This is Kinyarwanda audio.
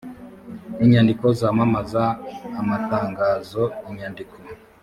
inyandiko zamamaza amatangazo inyandiko